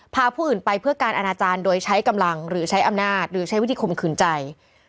พาผู้อื่นไปเพื่อการอนาจารย์โดยใช้กำลังหรือใช้อำนาจหรือใช้วิธีข่มขืนใจ